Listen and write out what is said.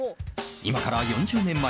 今から４０年前